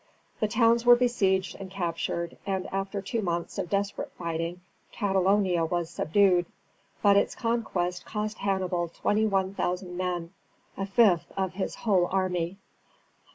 The towns were besieged and captured, and after two months of desperate fighting Catalonia was subdued, but its conquest cost Hannibal twenty one thousand men, a fifth of his whole army.